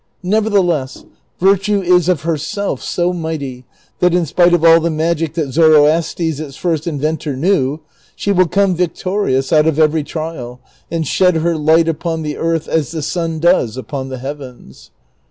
Nevertheless, virtue is of herself so mighty, that, in spite of all the magic that Zoroastes its first inventor knew, she will come victorious out of every trial, and shed her light upon the earth as the sun does upon the heavens.